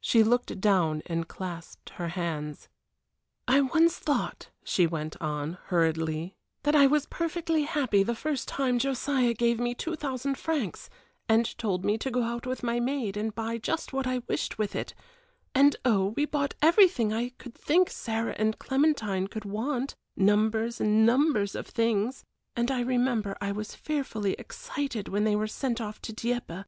She looked down and clasped her hands. "I once thought," she went on, hurriedly, "that I was perfectly happy the first time Josiah gave me two thousand francs, and told me to go out with my maid and buy just what I wished with it; and oh, we bought everything I could think Sarah and Clementine could want, numbers and numbers of things, and I remember I was fearfully excited when they were sent off to Dieppe.